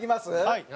はい。